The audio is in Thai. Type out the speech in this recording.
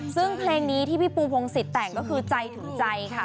ซึ่งเพลงนี้ที่พี่ปูพงศิษย์แต่งก็คือใจถึงใจค่ะ